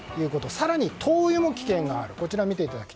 更に灯油にも危険があります。